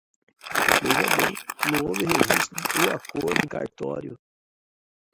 Veja bem, não houve registro do acordo em cartório.